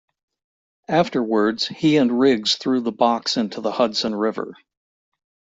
Afterwards, he and Riggs threw the box into the Hudson River.